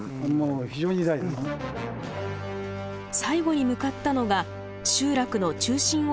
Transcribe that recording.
最後に向かったのが集落の中心を横切る藤田川。